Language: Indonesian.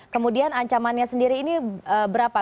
kemudian ancamannya sendiri ini berapa